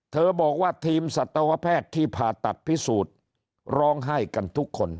บอกว่าทีมสัตวแพทย์ที่ผ่าตัดพิสูจน์ร้องไห้กันทุกคน